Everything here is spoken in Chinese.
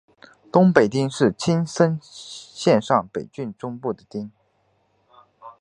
东北町是青森县上北郡中部的町。